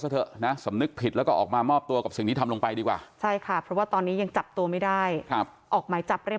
ยังรับโทรศัพท์เหมือนเดิม